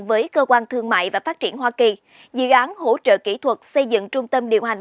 với cơ quan thương mại và phát triển hoa kỳ dự án hỗ trợ kỹ thuật xây dựng trung tâm điều hành